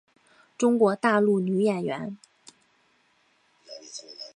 中国大陆女演员。